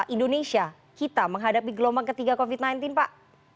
indonesia kita menghadapi gelombang ketiga covid sembilan belas pak